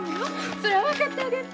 それは分かってあげんと！